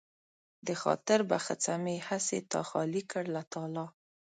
د خاطر بخڅه مې هسې تا خالي کړ له تالا